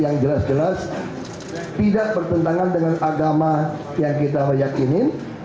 yang jelas jelas tidak bertentangan dengan agama yang kita meyakinin